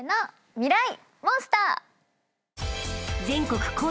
ミライ☆モンスター。